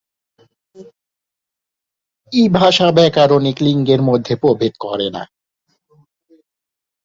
ই ভাষা ব্যাকরণিক লিঙ্গের মধ্যে প্রভেদ করেনা।